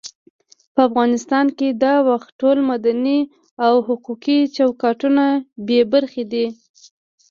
په افغانستان کې دا وخت ټول مدني او حقوقي چوکاټونه بې برخې دي.